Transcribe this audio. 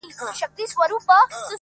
• هر گړی راته تر سترگو سترگو کېږې -